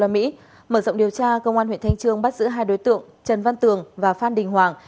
mở rộng điều tra công an huyện thanh trương bắt giữ hai đối tượng trần văn tường và phan đình hoàng